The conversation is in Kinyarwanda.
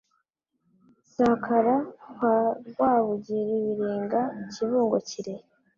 Sakara kwa Rwabugili Birenga Kibungo Kirehe